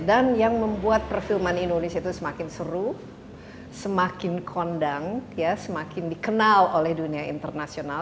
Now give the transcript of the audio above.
dan yang membuat perfilman indonesia itu semakin seru semakin kondang semakin dikenal oleh dunia internasional